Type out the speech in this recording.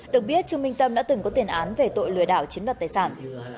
được biết trương minh tâm đã từng có tiền án về tội lừa đảo chiếm đoạt tài sản